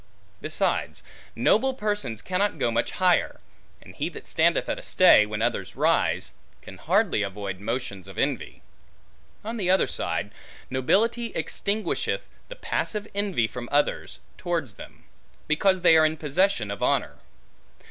Besides, noble persons cannot go much higher; and he that standeth at a stay, when others rise, can hardly avoid motions of envy. On the other side, nobility extinguisheth the passive envy from others, towards them; because they are in possession of honor.